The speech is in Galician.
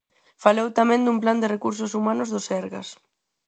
Falou tamén dun plan de recursos humanos do Sergas.